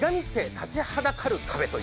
立ちはだかる壁。